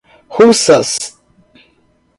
Russas